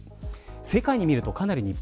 世界を見るとかなり日本